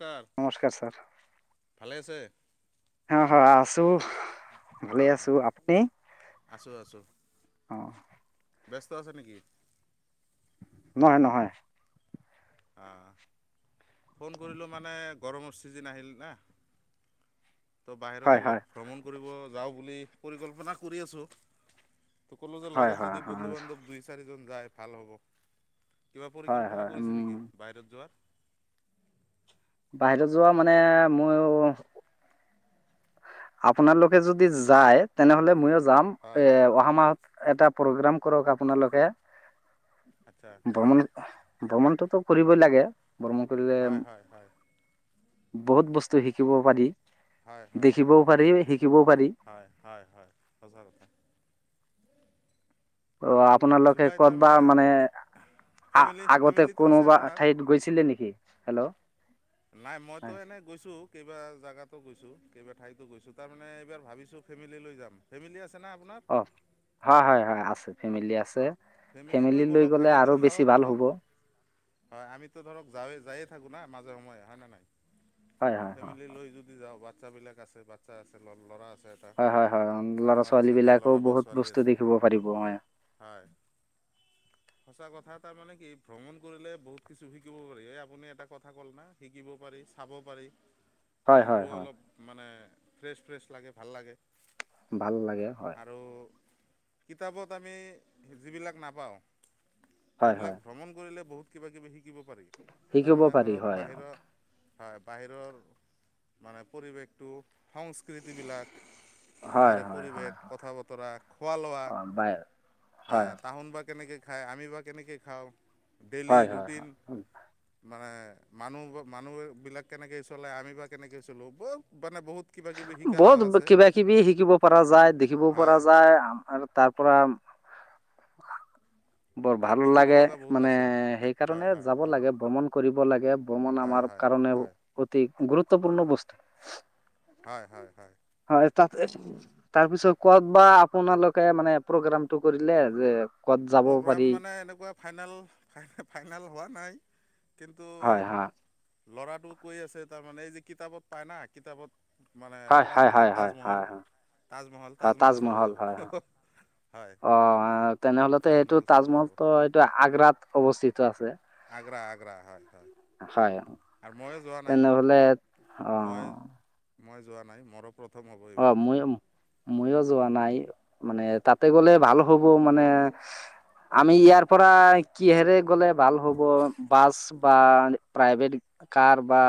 অহ, নমস্কাৰ ছাৰ ভালে আছে। অ, হয় আছো ভালে। আছো অঁ আপুনি। আছোঁ আছোঁ অহ। ব্যস্ত আছে নেকি। নহয়, নহয়। অ ফোন কৰিলো মানে। গৰমৰ ছিজন আহিল নে। ত বাহিৰত হয় হয় অলপ ভ্ৰমণ কৰিব। যাওঁ বুলি পৰিকল্পনা কৰি আছো। ত 'ক'লো যে হয় লগত হয় যদি হয় বন্ধু বান্ধৱ দুই চাৰিজন। যায় ভাল হ'ব কিবা হয় পৰিকল্পনা হয় কৰিছে উম নেকি বাহিৰত যোৱাৰ। বাহিৰত যোৱা মানে মইও। আপোনালোকে যদি যায় তেনেহলে মইও যাম এ হয় অহা মাহত। এটা প্ৰগ্ৰাম কৰক আপোনালোকে আচ্ছা ভ্ৰমণ। ভ্ৰমণটোতো কৰিবই লাগে ভ্ৰমণ কৰিলে। হয় হয় হয় বহুত বস্তু শিকিব পাৰি। হয়, হয়। হয় দেখিবও পাৰি শিকিবও পাৰি। [inaudible] হয় হয় হয় সঁচা কথা ত' আপোনালোকে জুলাই ক'ত বা তাৰমানে মানে। আ ফেমিলি আগতে ফেমিলিটো আছে কোনোবা আপোনাৰ ঠাইত গৈছিলে নেকি হেল্ল'। নাই মইতো হয় এনে গৈছোঁ কিবা। জাগাতো গৈছোঁ। কেইবা ঠাইতো গৈছোঁ। তাৰমানে এইবাৰ ভাবিছোঁ ফেমিলি লৈ যাম। ফেমিলি আছ। অ' হয় হয় হয়, আছে ফেমিলি আছে। ফেমিলি লৈ ব'লক গ'লে আমিতো আৰু বেছি ভাল ধৰক হ'ব। হয় আমিতো ধৰক যাৱে যায়ে থাকো না মাজে সময়ে হয় নে নাই। হয়, হয়, হয়। ফেমিলি লৈ যদি যাওঁ, বাচ্ছা বিলাক আছে বাচ্ছা আছে ল'ৰা আছে। এটা হয় হয় হয় আপোনাৰো লৰা-ছোৱালী চাগে ল'ৰা বিলাকেও বা বহুত ছোৱালী বস্তু আছে দেখিব পাৰিব হয়। হয় সঁচা কথা এটা মানে কি ভ্ৰমণ কৰিলে বহুত কিছু শিকিব পাৰি। এই আপুনি এটা কথা কল না শিকিব পাৰি। চাব পাৰি, হয়, হয়, মনটোও হয়, অলপ মানে ফ্ৰেছ ফ্ৰেছ লাগে ভাল লাগে। ভাল লাগে হয়। আৰু কিতাপত আমি যিবিলাক নাপাওঁ, হয়, সেইবিলাক হয়, ভ্ৰমণ কৰিলে বহুত। কিবাকিবি শিকিব পাৰি, শিকিব তাৰমানে পাৰি ধৰক হয়। বাহিৰৰ। হয় বাহিৰৰ মানে পৰিৱেশটো, সংস্কৃতিবিলাক। হয়, তাৰে হয়, হয়, পৰিৱেশ কথা-বতৰা খোৱা-লোৱা। অ', বাই হা হয়, তাহুন বা কেনেকৈ খায়, আমি বা কেনেকৈ খাওঁ। ডেইলি হয়, হয়, ৰুটিন। হয়। মানে মানুহ মানুহবিলাক কেনেকৈ চলে আমি বা কেনেকৈ চলোঁ বহু মানে বহুত। কিবা কিবি। শিকাৰাও বহুত আছে কিবা কিবি শিকিব পৰা যায় দেখিব পৰা হয় যায় আৰু তাৰ পৰা। [inaudible] বৰ ভাল শিকিব লাগে লগা বহুত মানে আছে হয় সেইকাৰণে হয় যাব হয় লাগে ভ্ৰমণ কৰিব লাগে। ভ্ৰমণ হয় আমাৰ। হয় কাৰণে হয় অতি গুৰুত্বপূৰ্ণ বস্তু। হয় হয় হয়। [unintelligible] তাৰপিছত ক'ত বা আপোনালোকে মানে প্ৰগ্ৰামটো কৰিলে যে। ক'ত যাব? প্ৰগ্ৰাম পাৰি মানে এনেকুৱা ফাইনেল ফাই ফাইনেল হোৱা নাই। কিন্তু হয় হয় ল'ৰাটো কৈ আছে তাৰমানে এই যে কিতাপত পায় না কিতাপত। মানে পৰা হয় থাকে হয় হয় তাজমহল হয় হয় তাজমহল হয় তাজমহল চাব হয় হয় যাব। হয় অ' তেনেহ'লেতে এইটো তাজমহল চাব যাব তাজমহল এইটো আগ্ৰাত অৱস্থিত আছে। আগ্ৰা আগ্ৰা হয় হয়। হয় আৰু ময়ো যোৱা নাই তেনেহলে অ'। মই মই যোৱা নাই, মোৰ ওপৰত। অ' মইও মইও। যোৱা নাই, মানে তাতে গ'লে ভাল হ'ব মানে। আমি ইয়াৰ পৰা কিহেৰে গ'লে ভাল হ'ব, বাছ। বা প্ৰাইভেট কাৰ বা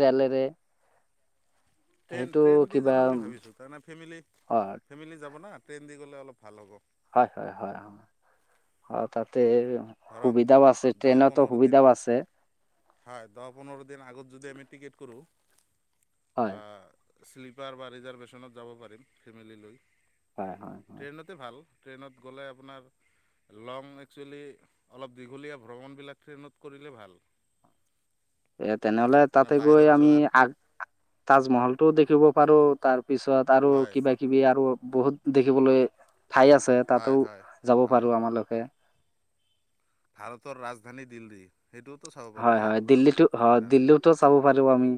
ৰে'লেৰে? ট্ৰেইন সেইটো ট্ৰেইন দি কিবা যাম বুলি ভাবিছোঁ। তাৰমানে ফেমিলি হয়, ফেমিলি যাব না। ট্ৰেইন দি গ'লে অলপ ভাল হ'ব। হয় হয় হয় হয় তাতে। ধৰক সুবিধাও আছে দহ ট্ৰেইনতো পোন্ধৰ দিন সুবিধাও আছে। হয় দহ পোন্ধৰ দিন আগত যদি আমি টিকেট কৰোঁ। হয়। শ্লীপাৰ বা ৰিজাৰ্ভেশ্যনত যাব পাৰিম ফেমিল লৈ, হয়, হয়, হয়। ট্ৰেইনতে ভাল। ট্ৰেইনত গ'লে আপোনাৰ লং একচুৱেলি অলপ দীঘলীয়া ভ্ৰমণবিলাক ট্ৰেইনত কৰিলে ভাল। এ তেনেহ'লে মানে তাতে গৈ বাহিৰত আমি যোৱাৰ আগ তাজমহলটোও দেখিব পাৰোঁ তাৰ পিছত আৰু হয় কিবা-কিবি আৰু বহুত দেখিবলৈ ঠাই আছে, তাতো হয় হয় যাব হয় পাৰোঁ আমালোকে। ভাৰতৰ ৰাজধানী দিল্লী। সেইটোওতো চাব পাৰি হয়, না হয়, দিল্লীটো, হয় না নাই দিল্লীটো চাব পাৰোঁ আমি।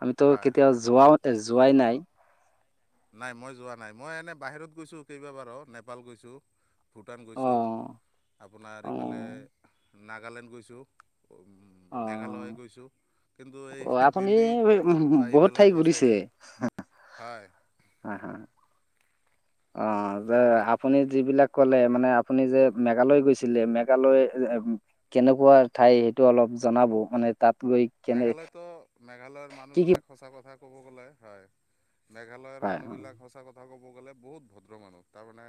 আমিতো হয় কেতিয়াও হয় হয় যোৱাও যোৱাই নাই। নাই মই যোৱা নাই, মই এনে বাহিৰত গৈছোঁ কেইবাবাৰো নেপাল গৈছোঁ। ভূটান গৈছোঁ, অ', আপোনাৰ এইফালে অ', নাগালেণ্ড গৈছোঁ। উম, অ'। মেঘালয় গৈছোঁ। কিন্তু এই অ', আপুনি দিল্লী উম, বা বহুত এইফালে ঠাই এই ঘূৰিছে। ছাইডে হয় আহা। অ', যে অলপ আপুনি যিবিলাক ক'লে মানে আপুনি যে মেঘালয় গৈছিলে, মেঘালয় কেনেকুৱা ঠাই সেইটো অলপ জনাব মানে তাত গৈ কেনে মেঘালয়তো মেঘালয়ৰ কি কি মানুহবিলাক সঁচা কথা ক'ব গ'লে হয়। মেঘালয়ৰ হয় অ', মানুহবিলাক সঁচা কথা ক'ব গ'লে বহুত ভদ্ৰ মানুহ, তাৰমানে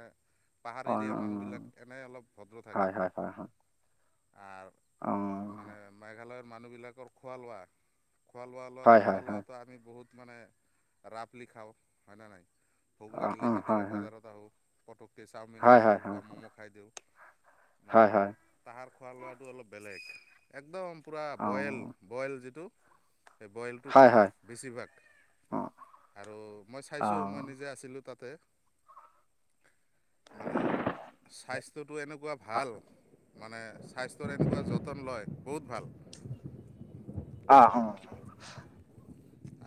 পাহাৰ অ', এৰিয়াৰ মানুহবিলাক এনেই অলপ ভদ্ৰ হয়, থাকে। হয়, হয়, হয়, আৰু অ', মানে মেঘালয়ৰ মানুহবিলাকৰ খোৱা লোৱা। খোৱা লোৱা, লোৱা হয়, খোৱা হয়, হয়, লোৱাটো আমি বহুত মানে ৰাফলি খাওঁ হয় নে নাই। ভোক অ', লাগিলে অ', হয়, কেতিয়াবা হয়, বজাৰত আহো পটককে চাওমিন হয়, খাই হয়, দিওঁ হয়, বা ম'ম' খাই দিওঁ। মানে হয়, হয়, তাহাৰ খোৱা লোৱাটো অলপ বেলেগ, একদম পুৰা অ', বইল। বইল যিটো সেই বইলটো হয়, খাই, হয়, বেছিভাগ অ', আৰু মই চাইছোঁ মই অ', নিজে আছিলোঁ তাত। তে মানে স্বাস্থ্যটো এনেকুৱা ভাল। মানে স্বাস্থ্যৰ এনেকুৱা যতন লয়, বহুত ভাল। আহো [unintelligible]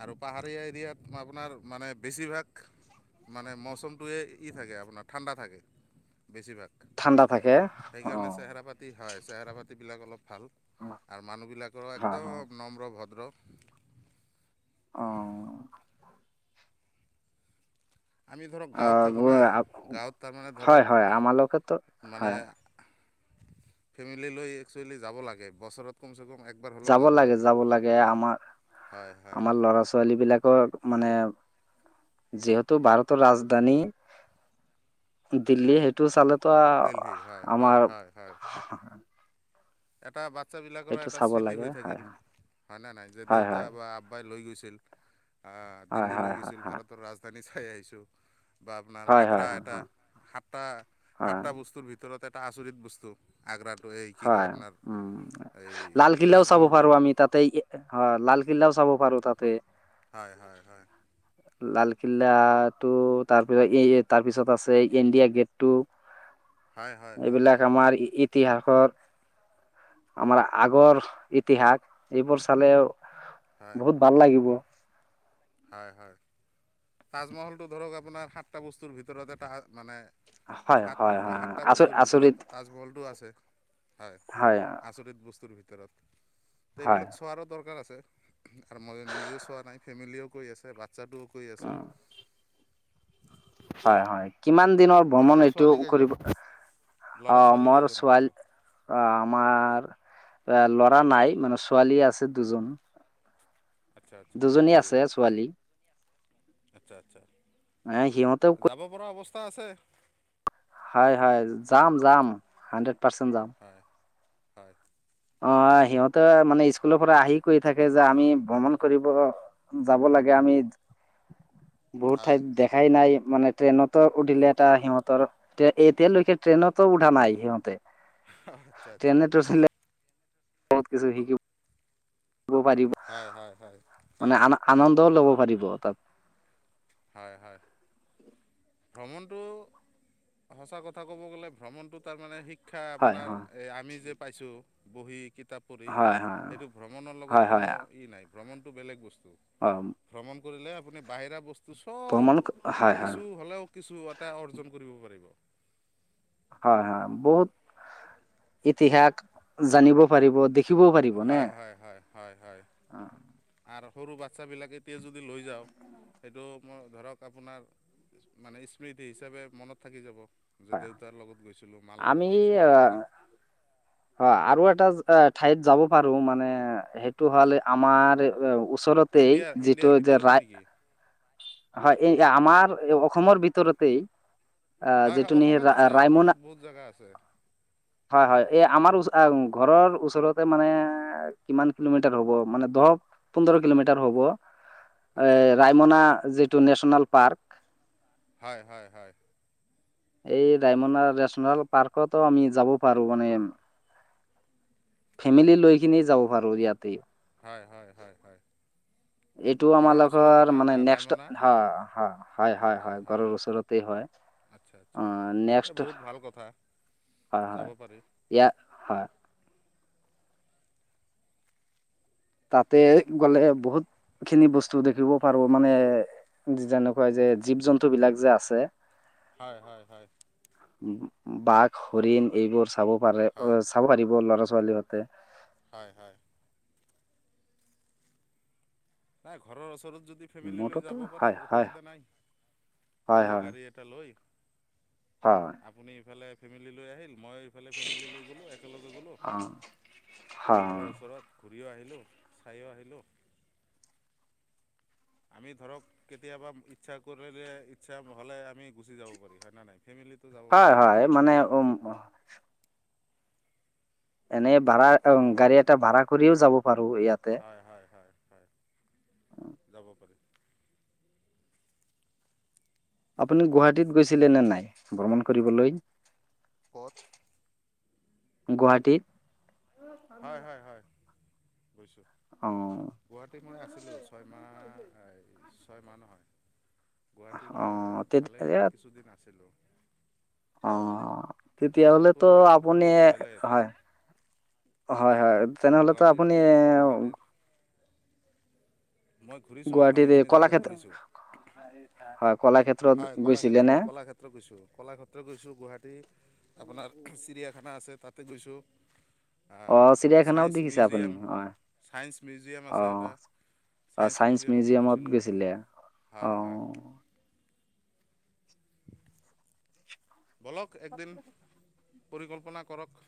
আৰু পাহাৰীয়া এৰিয়াত আপোনাৰ মানে বেছিভাগ মানে মৌচমটোৱে ই থাকে আপোনাৰ ঠাণ্ডা থাকে বেছিভাগ। ঠাণ্ডা থাকে অ', সেইকাৰণে চেহেৰা পাতি, হয়, চেহেৰা পাতিবিলাক অলপ ভাল আৰু মানুহবিলাকৰ হয়, হয়, একদম নম্ৰ ভদ্ৰ। অহ। আমি ধৰক অ', গাঁৱত থাকোঁ না গাঁৱত [unintelligible] তাৰমানে হয়, ধৰক হয় আমালোকেটো মানে হয়। ফেমিলি লৈ একচুৱেলি যাব লাগে বছৰত কমচে কম এক যাব লাগে, যাব লাগে আমাৰ হয় হয় আমাৰ লৰা-ছোৱালীবিলাকৰ মানে যিহেতু ভাৰতৰ ৰাজধানী, দিল্লী সেইটো চালে ত' আ দেলহি হয় হয় আমাৰ হয় হয় এটা বাচ্ছাবিলাকৰো সেইটো এটা চাব স্মৃতি লাগে হৈ হয় থাকিল হয় ন' নাই যে হয় দেউতা হয় বা আব্বাই লৈ গৈ ছিল অহ, হয় দিল্লী লৈ হয় গৈছিল হয় ভাৰতৰ ৰাজধানী চাই আহিছোঁ। বা আপোনাৰ হয় আগ্ৰা হয় হয় হয় এটা সাতটা হয় সাতটা বস্তুৰ ভিতৰত এট এটা আচৰিত বস্তু, আগ্ৰাটো এই কি হয় কয় হয় আপোনাৰ উম, এই লালকিল্লাও চাব তাজমহলটো পাৰোঁ আমি তাতে অ', লাল কিলাও চাব পাৰোঁ তাতে। হয়, হয়, হয়। লালকিল্লাটো তাৰপিছত তাৰ পিছত আছে ইণ্ডিয়া গেটটো। হয় হয় হয় এইবিলাক হয় আমাৰ ইতিহাসত আমাৰ আগৰ ইতিহাস, এইবোৰ চালেও হয় বহুত ভাল লাগিব। হয়- হয় তাজমহলটো ধৰক আপোনাৰ সাতটা বস্তুৰ ভিতৰত এটা মানে হয় সাত হয় হয় সাতটা আচৰিত বস্তুৰ ভিতৰত আচৰিত তাজমহলটো আছে। হয়, আচৰিত বস্তুৰ ভিত হয় এইবিলাক চোৱাৰো দৰকাৰ আছে, আৰু মই নিজে চোৱা নাই ফেমিলীয়েও আছে বাচ্ছাটোও কৈ আছে। উম হয়- হয় কিমান দিনৰ ভ্ৰমণ আপোনাৰ এইটো ছোৱালী কেইজন কৰিব। ল'ৰা অ' ছোৱালী মোৰ কেইজন আপোনাৰ ছোৱালী অ' আমাৰ এ ল'ৰা নাই মানে ছোৱালী আছে দুজন। আচ্ছা আচ্ছা দুজনী বঢ়িয়া আছে ছোৱালী। আচ্ছা- আচ্ছা, এ সিহঁতেও যাব পৰা অৱস্থা আছে। হয়- হয় যাম- যাম, হানড্ৰেড পাৰ্চেণ্ যাম। হয় হয়। অ' সিহঁতে মানে স্কুলৰ পৰা আহি কৈ থাকে যে আমি ভ্ৰমণ কৰিব যাব লাগে আমি। [inaudible] বহুত ঠাইত দেখাই নাই। মানে ট্ৰেইনতো উঠিলে এটা সিহঁতৰ এতিয়ালৈকে ট্ৰেইনতো উঠা নাই সিহঁতে। আচ্ছা-আচ্ছা। ট্ৰেইনেত ৰচিলে বহুত কিছু শিকি ব পাৰিব হয় হয় হয় হয় মানে আ-আনন্দও ল'ব পাৰিব তাত। হয়- হয়। ভ্ৰমণটো সঁচা কথা ক'ব গ'লে ভ্ৰমণটো তাৰ মানে শি ক্ষা হয় আপোনাৰ হয় এই আমি যে পাইছোঁ বহি কিতাপ পঢ়ি হয় সেইটো ভ্ৰমণৰ হয় লগত হয় হয় কোনো ই নাই ভ্ৰমণটো বেলেগ বস্তু। অ'। [unintelligible] লে আপুনি বাহিৰা বস্তু চব ভ্ৰমন, হয়- হয়। কিছু হ'লেও কিছু এটা অৰ্জন কৰিব পাৰিব। হয়- হয় বহুত ইতিহাস জানিব পাৰিব শিকিবও পাৰিব নে, হয় হয় হয় হয় হয় অ'। আৰু সৰু বাচ্ছাবিলাক এতিয়া যদি লৈ যাওঁ সেইটো মই ধৰক আপোনাৰ মানে স্মৃতি হিচাপে মনত থাকি যাব। যে হয় দেউতাৰ লগত গৈছিলো মাৰ আমি লগত গৈছিলো হয়না। হয় আৰু এটা ঠাইত যাব পাৰো মানে সেইটো হ'লে আমাৰ ওচৰতেই ইণ্ডিয়া ইণ্ডিয়াৰ যিটো যে ভিতৰতে ৰা নেকি হয় এই আমাৰ অসমৰ ভিতৰতেই। আহ হয়-হয় যিটো অসমত আছে অসমত বহুত জেগা আছে। হয়-হয় হয় এই আমাৰ ওচ ঘৰৰ ওচৰত তে মানে কিমান কিলোমিটাৰ হ'ব মানে দহ পোন্ধৰ কিলোমিটাৰ হ'ব এ আচ্ছা ৰায়মনা যিটো নেশ্যনেল পাৰ্ক হয় হয়- হয়। এই ৰায়মনা নেচনেল পাৰ্কতো আমি যাব পাৰো মানে ফেমিলি লৈ কিনেই যাব পাৰু ইয়াত। হয়- হয়- হয় - হয়। এইটো আমাৰ ঘৰৰ ওচৰতে লগৰ না মানে না নেক্সট ৰায়মনা হয় হয় হয়-হয় ঘৰৰ হয় ওচৰতেই হয়। আচ্ছা আচ্ছা অ' এই নেক্সট বহুত ভাল কথা হয়- যাব হয় পাৰি ইয়াত, হয়। তাতে গ'লে বহুত খিনি বস্তু দেখিব পাৰো মানে যেনেকুৱা যে জীৱ-জন্তু বিলাক যে আছে। হয় হয় হয়। বাঘ হৰিণ এইবোৰ চাব পাৰে হয় চাব পাৰিব ল'ৰা ছোৱালী হতে। হয় হয়। নাই ঘৰৰ ওচৰতত। যদি ফেমিলি লৈ মোৰটোতো যাব পাৰি হয় হয় অসুবিধা নাই, হয় সৰু হয় গাড়ী এটা লৈ। হয় আপুনি ইফালে ফেমিলি লৈ আহিল। মই এইফালে ফেমিল লৈ গ'লোঁ, একেলগে গ'লোঁ অ', ঘৰৰ হয় ওচৰত। ঘূৰিও আহিলোঁ, চাইও আহিলোঁ। আমি ধৰক কেতিয়াবা ইচ্ছা কৰিলে ইচ্ছা হলে আমি গুচি যাব পাৰি হয় নে নাই। ফেমিলি যাব হয় নোৱাৰে হয় ঘৰত মানে থাকে। উম এনেই ভাড়া সহ গাড়ী এটা ভাড়া কৰিও যাব পাৰো ইয়াতে। হয় হয় হয় হয় যাব পাৰিম। আপুনি গুৱাহাটীত গৈছিলে নে নাই ভ্ৰমণ কৰিবলৈ? ক'ত? গুৱাহাটীত। হয় হয় হয় গৈছোঁ। অ', গুৱাহাটীত মই আছিলোঁ ছয়মাহ এই ছয়মাহ নহয় গুৱাহাটীত মই অ', ভালে কিছুদিন আছিলো। অঁ গুৱাহাটীৰ তেতিয়াহলেতো পৰিৱেশটো আপুনি সম্পূৰ্ণ বেলেগ হয়। অ হয়, তেনেহলেতো গুৱাহাটীৰ আপুনি এ গুৱাহাটীৰ মই ঘূৰিছোঁ গুৱাহাটীত এই ভালেখিনি জেগা কলাক্ষেত্ৰ ঘূৰিছোঁ হয়, কলাক্ষেত্ হয় কলাক্ষেত্ৰত কলাক্ষেত্ৰত গৈছোঁ। কলাক্ষেত্ৰত গৈছোঁ গুৱাহাটী, আপোনা তাৰ চিৰিয়াখানা আছে তাতে গৈছোঁ। অ চিৰিয়াখানাও ছায়েন্স দেখিছে আপুনি মিউজিয়াম হয় ছায়েন্স মিউজিয়াম আছে অঁ। এটা অ ছায়েন্স চাইন্স মিউজিয়ামতো মিউজিয়ামত গৈছিলোঁ গৈছিলে? হয় হয় অঁ। বলক একদিন পৰিকল্পনা কৰক,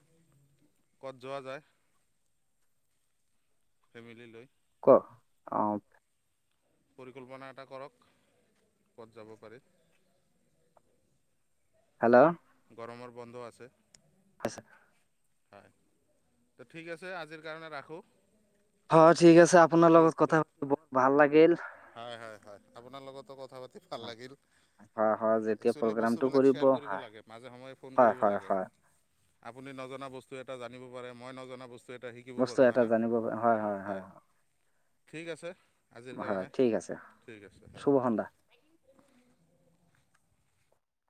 ক'ত যোৱা যায় ফেমিলি লৈ। ক, অঁ। পৰিকল্পনা এটা কৰক, ক'ত যাব পাৰে। হেল্ল। গৰমৰ বন্ধ আছে। আচ্ছা হয়। ত', ঠিক আছে। আজিৰ কাৰণে ৰাখোঁ। হয়, ঠিক আছে। আপোনাৰ ঠিক লগত ঠিক কথা, ভাল লাগিল। হয়, হয়, হয়। আপোনাৰ লগতো কথা পাতি ভাল লাগিল। হয় হয় যেতিয়া একচুৱেলি, প্ৰগ্ৰামটো বস্তুবিলাক শ্বেয়াৰ কৰিব হয় লাগে। মাজে-সময়ে ফোন হয় কৰিব হয় লাগে। হয় আপুনি নজনা বস্তু এটা জানিব পাৰে। মই নজনা বস্ত বস্তু এটা জানিব। হয়, হয়, হয়। ঠিক আছে। আজিৰ হয়, কাৰণে ঠিক আছে। ঠিক আছে, হয়। শুভ সন্ধ্যা